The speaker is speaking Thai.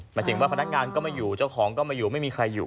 หมายถึงว่าพนักงานก็ไม่อยู่เจ้าของก็ไม่อยู่ไม่มีใครอยู่